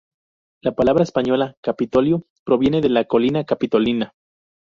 La palabra española "capitolio" proviene de la "Colina Capitolina".